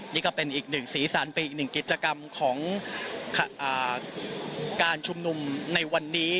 นี่ก็เป็นอีก๑ศีรษฐ์เป็นอีก๑กิจกรรมของการชุมนุมในวันนี้